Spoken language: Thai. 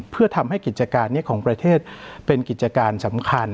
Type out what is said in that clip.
เพื่อทำให้กิจการนี้ของประเทศเป็นกิจการสำคัญ